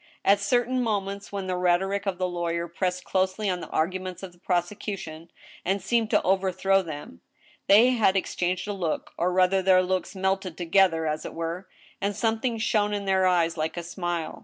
At certain moments, when the rhetoric of the lawyer pressed closely on the arguments of the prosecution, and seemed to over throw them, they had exchanged a look, or rather their looks melted together, as it were, and something shone in their eyes like a smile.